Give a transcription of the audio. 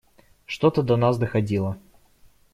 Что-то до нас доходило.